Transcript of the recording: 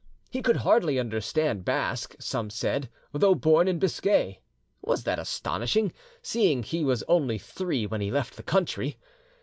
He could hardly understand Basque, some said, though born in Biscay, was that astonishing, seeing he was only three when he left the country?